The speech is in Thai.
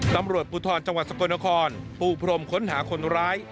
ตำรวจภูทรจังหวัดสกลนครปูพรมค้นหาคนร้าย